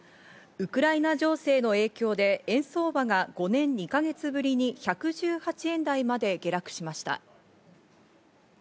ウクライナ情勢の影響で、円相場が５年２か月ぶりに１１８円台まで下落しました。